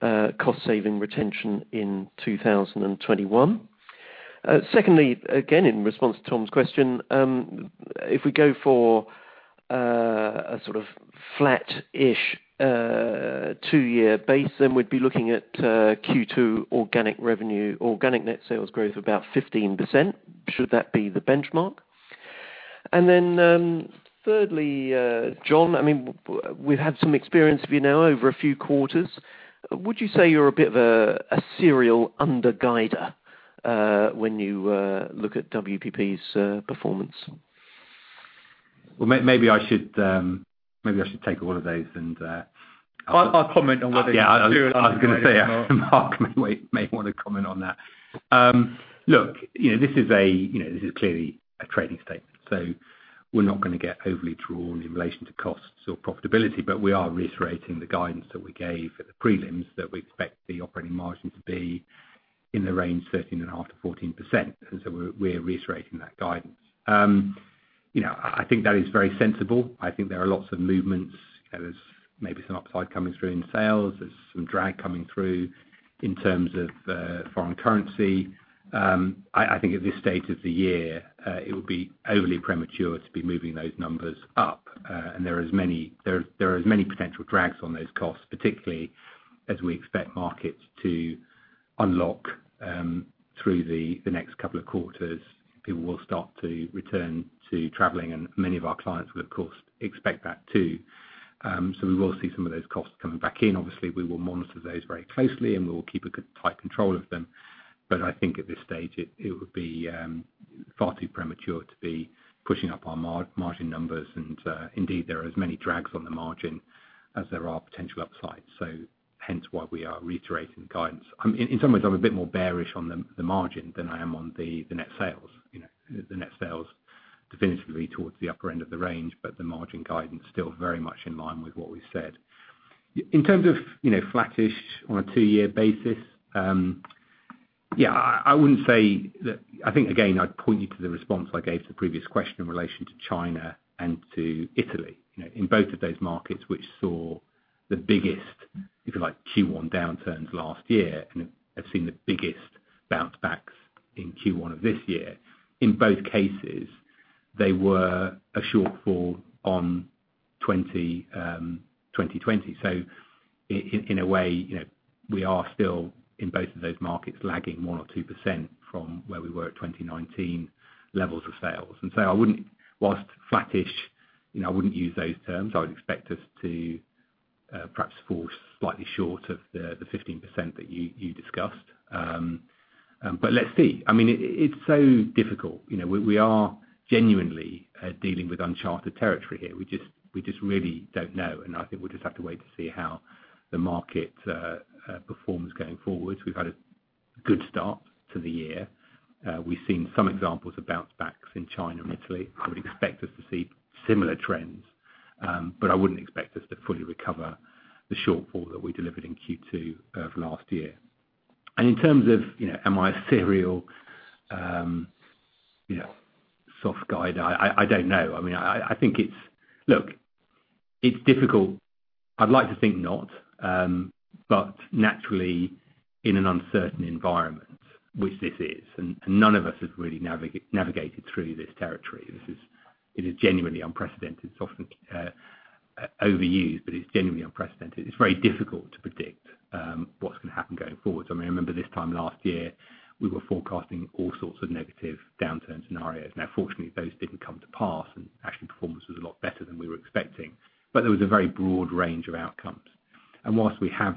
cost saving retention in 2021? Secondly, again, in response to Tom's question, if we go for a sort of flat-ish two year base, we'd be looking at Q2 organic revenue, organic net sales growth about 15%. Should that be the benchmark? Thirdly, John, we've had some experience of you now over a few quarters. Would you say you're a bit of a serial underguider when you look at WPP's performance? Well, maybe I should take all of those. I'll comment on whether- I was going to say Mark Read may want to comment on that. This is clearly a trading statement, so we're not going to get overly drawn in relation to costs or profitability. We are reiterating the guidance that we gave at the prelims that we expect the operating margin to be in the range 13.5%-14%, we're reiterating that guidance. I think that is very sensible. I think there are lots of movements. There's maybe some upside coming through in sales. There's some drag coming through in terms of foreign currency. I think at this stage of the year, it would be overly premature to be moving those numbers up. There are as many potential drags on those costs, particularly as we expect markets to unlock through the next couple of quarters. People will start to return to traveling, many of our clients would, of course, expect that, too. We will see some of those costs coming back in. Obviously, we will monitor those very closely, and we will keep a tight control of them. I think at this stage, it would be far too premature to be pushing up our margin numbers. Indeed, there are as many drags on the margin as there are potential upsides, hence why we are reiterating guidance. In some ways, I'm a bit more bearish on the margin than I am on the net sales. The net sales definitively towards the upper end of the range, the margin guidance still very much in line with what we've said. In terms of flattish on a two-year basis, yeah, I think, again, I'd point you to the response I gave to the previous question in relation to China and to Italy. In both of those markets, which saw the biggest, if you like, Q1 downturns last year, have seen the biggest bounce backs in Q1 of this year. In both cases, they were a shortfall on 2020. In a way, we are still, in both of those markets, lagging 1% or 2% from where we were at 2019 levels of sales. Whilst flattish, I wouldn't use those terms. Let's see. It's so difficult. We are genuinely dealing with uncharted territory here. We just really don't know. I think we'll just have to wait to see how the market performs going forward. We've had a good start to the year. We've seen some examples of bounce-backs in China and Italy. I would expect us to see similar trends. I wouldn't expect us to fully recover the shortfall that we delivered in Q2 of last year. In terms of am I a serial soft guider, I don't know. It's difficult. I'd like to think not. Naturally, in an uncertain environment, which this is, none of us has really navigated through this territory. It is genuinely unprecedented. It's often overused. It's genuinely unprecedented. It's very difficult to predict what's going to happen going forward. I remember this time last year, we were forecasting all sorts of negative downturn scenarios. Fortunately, those didn't come to pass, and actually performance was a lot better than we were expecting, but there was a very broad range of outcomes. Whilst we have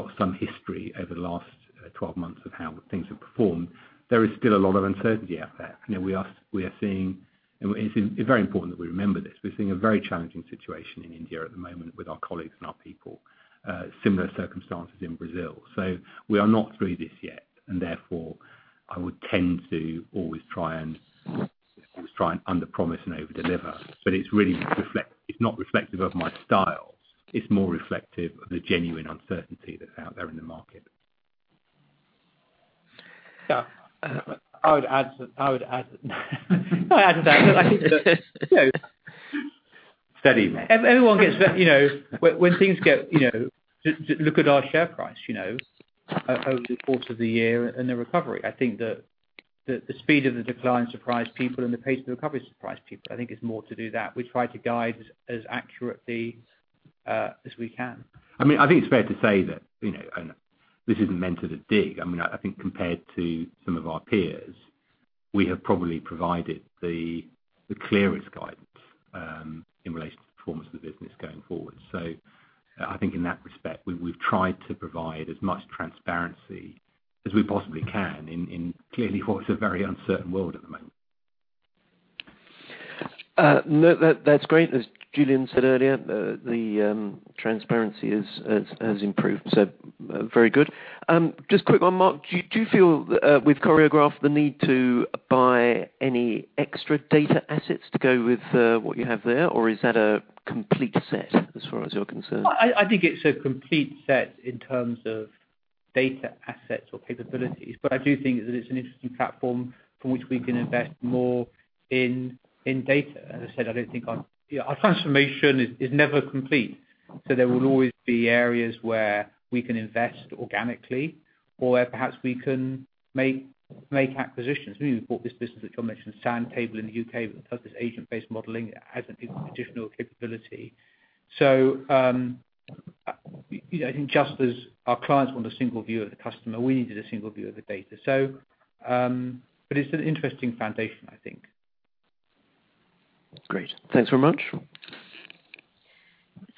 got some history over the last 12 months of how things have performed, there is still a lot of uncertainty out there. It's very important that we remember this. We're seeing a very challenging situation in India at the moment with our colleagues and our people, similar circumstances in Brazil. We are not through this yet, and therefore, I would tend to always try and underpromise and overdeliver. It's not reflective of my style, it's more reflective of the genuine uncertainty that's out there in the market. Yeah. I would add to that. Steady. Everyone gets that. Look at our share price over the course of the year and the recovery. I think the speed of the decline surprised people, and the pace of the recovery surprised people. I think it's more to do with that. We try to guide as accurately as we can. I think it's fair to say that, and this isn't meant as a dig, I think compared to some of our peers, we have probably provided the clearest guidance in relation to the performance of the business going forward. I think in that respect, we've tried to provide as much transparency as we possibly can in clearly what's a very uncertain world at the moment. No, that's great. As Julien said earlier, the transparency has improved, so very good. Just a quick one, Mark, do you feel that with Choreograph the need to buy any extra data assets to go with what you have there, or is that a complete set as far as you're concerned? I think it's a complete set in terms of data assets or capabilities, but I do think that it's an interesting platform from which we can invest more in data. As I said, our transformation is never complete, so there will always be areas where we can invest organically or where perhaps we can make acquisitions. We bought this business that John mentioned, Sandtable, in the U.K., which does this agent-based modeling as an additional capability. I think just as our clients want a single view of the customer, we needed a single view of the data. It's an interesting foundation, I think. Great. Thanks very much.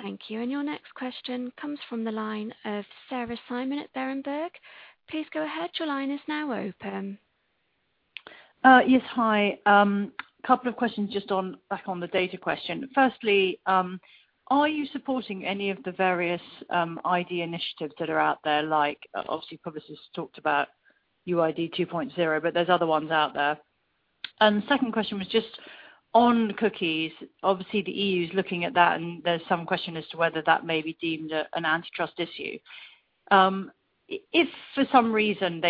Thank you. Your next question comes from the line of Sarah Simon at Berenberg. Please go ahead. Your line is now open. Yes. Hi. A couple of questions just back on the data question. Firstly, are you supporting any of the various ID initiatives that are out there, like obviously Publicis talked about UID 2.0, but there's other ones out there. The second question was just on cookies. Obviously, the EU is looking at that, and there's some question as to whether that may be deemed an antitrust issue. If for some reason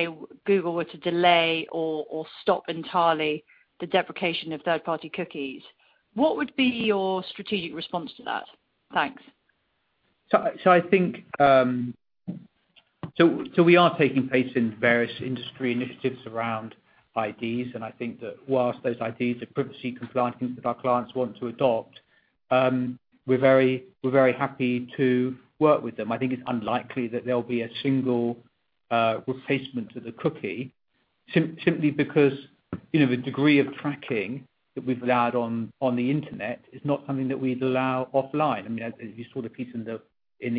Google were to delay or stop entirely the deprecation of third-party cookies, what would be your strategic response to that? Thanks. We are taking place in various industry initiatives around IDs. I think that whilst those IDs are privacy compliant, things that our clients want to adopt, we're very happy to work with them. I think it's unlikely that there'll be a single replacement to the cookie, simply because the degree of tracking that we've allowed on the internet is not something that we'd allow offline. You saw the piece in "The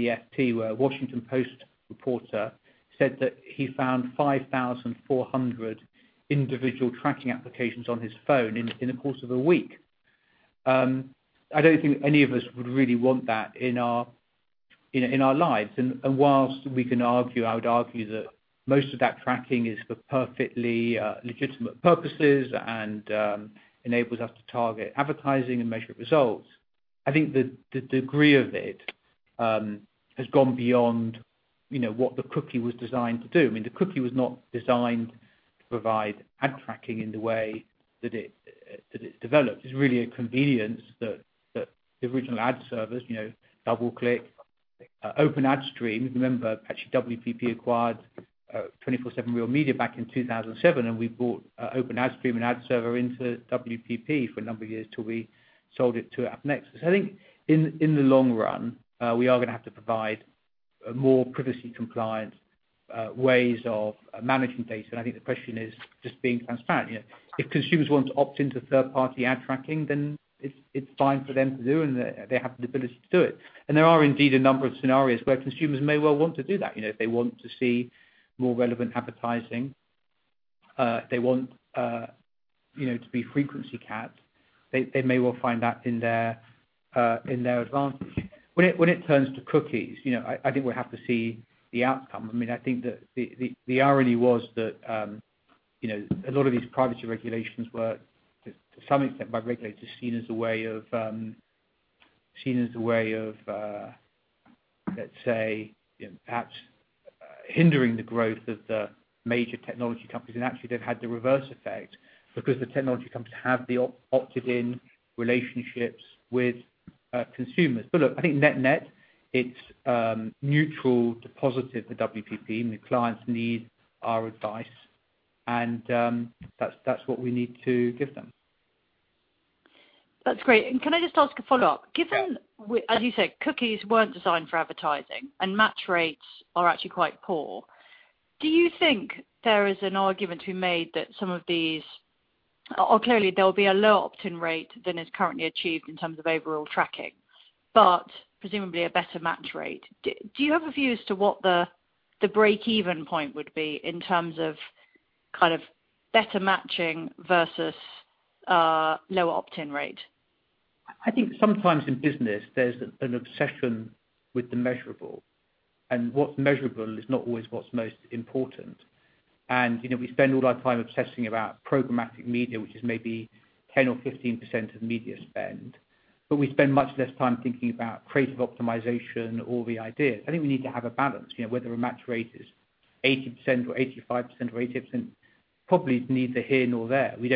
FT," where a "Washington Post" reporter said that he found 5,400 individual tracking applications on his phone in the course of a week. I don't think any of us would really want that in our lives. Whilst we can argue, I would argue that most of that tracking is for perfectly legitimate purposes and enables us to target advertising and measure results. I think the degree of it has gone beyond what the cookie was designed to do. The cookie was not designed to provide ad tracking in the way that it's developed. It's really a convenience that the original ad servers, DoubleClick, Open AdStream. Remember, actually, WPP acquired 24/7 Real Media back in 2007, and we bought Open AdStream and ad server into WPP for a number of years till we sold it to AppNexus. I think in the long run, we are going to have to provide more privacy compliant ways of managing data. I think the question is just being transparent. If consumers want to opt into third-party ad tracking, then it's fine for them to do, and they have the ability to do it. There are indeed a number of scenarios where consumers may well want to do that. If they want to see more relevant advertising, they want to be frequency capped, they may well find that in their advantage. When it turns to cookies, I think we'll have to see the outcome. I think that the irony was that a lot of these privacy regulations were, to some extent, by regulators, seen as a way of Let's say, perhaps hindering the growth of the major technology companies, and actually they've had the reverse effect because the technology companies have the opted-in relationships with consumers. Look, I think net net, it's neutral to positive to WPP, and the clients need our advice, and that's what we need to give them. That's great. Can I just ask a follow-up? Sure. Given, as you said, cookies weren't designed for advertising and match rates are actually quite poor, do you think there is an argument to be made that clearly there will be a lower opt-in rate than is currently achieved in terms of overall tracking, but presumably a better match rate? Do you have a view as to what the break-even point would be in terms of better matching versus lower opt-in rate? I think sometimes in business there's an obsession with the measurable, and what's measurable is not always what's most important. We spend all our time obsessing about programmatic media, which is maybe 10 or 15% of media spend, but we spend much less time thinking about creative optimization or the ideas. I think we need to have a balance, whether a match rate is 80% or 85% or 80% probably is neither here nor there. We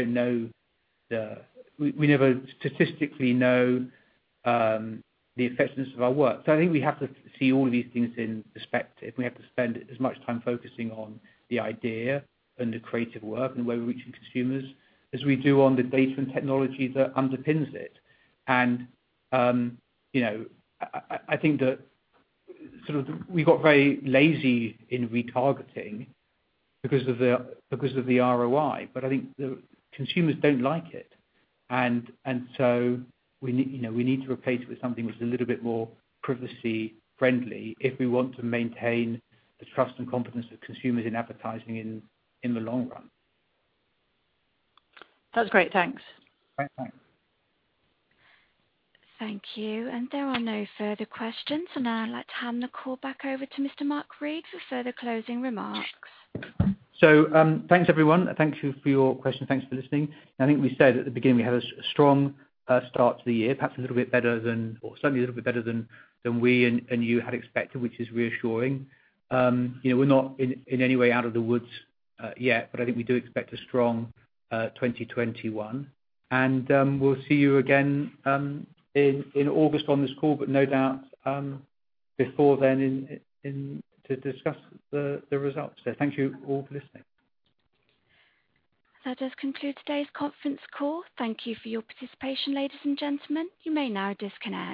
never statistically know the effectiveness of our work. I think we have to see all of these things in perspective. We have to spend as much time focusing on the idea and the creative work, and the way we're reaching consumers, as we do on the data and technology that underpins it. I think that we got very lazy in retargeting because of the ROI. I think the consumers don't like it. We need to replace it with something that's a little bit more privacy friendly if we want to maintain the trust and confidence of consumers in advertising in the long run. That's great. Thanks. Okay, thanks. Thank you. There are no further questions, now I'd like to hand the call back over to Mr. Mark Read for further closing remarks. Thanks, everyone. Thank you for your questions. Thanks for listening. I think we said at the beginning, we had a strong start to the year, perhaps a little bit better than, or certainly a little bit better than we and you had expected, which is reassuring. We're not in any way out of the woods yet, but I think we do expect a strong 2021. We'll see you again in August on this call, but no doubt before then to discuss the results there. Thank you all for listening. That does conclude today's conference call. Thank you for your participation, ladies and gentlemen. You may now disconnect.